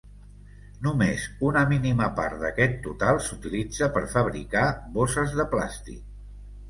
Només una mínima part d'aquest total s'utilitza per fabricar bosses de plàstic.